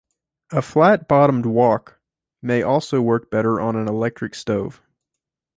A flat-bottomed wok may also work better on an electric stove.